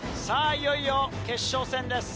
いよいよ決勝戦です。